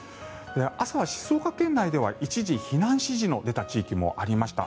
朝は静岡県内では一時避難指示が出た地域もありました。